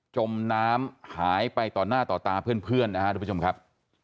จมน้ำหายไปต่อหน้าต่อตาเพื่อนนะครับทุกผู้ชมครับ